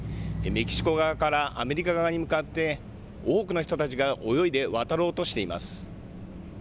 メキシコ側からアメリカ側に向かって、多くの人たちが泳いで渡ろうとしています。